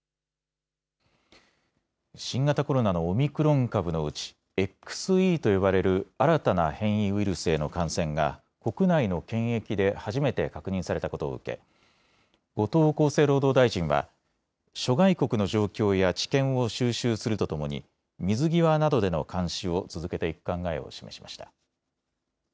新型コロナのオミクロン株のうちＸＥと呼ばれる新たな変異ウイルスへの感染が国内の検疫で初めて確認されたことを受け後藤厚生労働大臣は諸外国の状況や知見を収集するとともに水際などでの監視を続けていく考えを示しました。